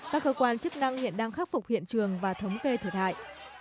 các cơ quan chức năng hiện đang khắc phục hiện trường và thống kê thiệt hại